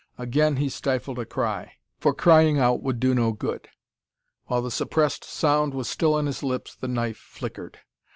Again he stifled a cry. For crying out would do no good. While the suppressed sound was still on his lips, the knife flickered.